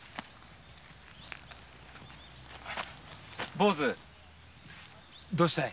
坊主どうしたい？